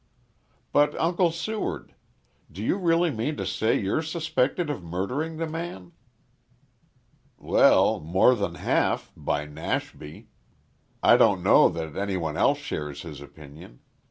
"But, Uncle Seward. Do you really mean to say you're suspected of murdering the man?" "Well, more than half by Nashby. I don't know that any one else shares his opinion.